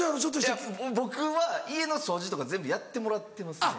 いや僕は家の掃除とか全部やってもらってますね。